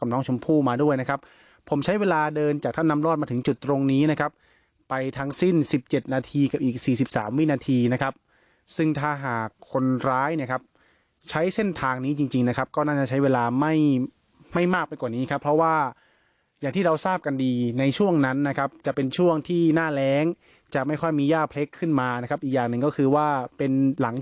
น้องชมพู่มาด้วยนะครับผมใช้เวลาเดินจากทำนำลอดมาถึงจุดตรงนี้นะครับไปทั้งสิบเจ็ดนาทีกับอีกสี่สิบสามวินาทีนะครับซึ่งถ้าหากคนร้ายนะครับใช้เส้นทางนี้จริงจริงนะครับก็น่าจะใช้เวลาไม่ไม่มากไปกว่านี้ครับเพราะว่าอย่างที่เราทราบกันดีในช่วงนั้นนะครับจะเป็นช่วงที่หน้าแร้งจะไม่ค่อยมีย่าเพล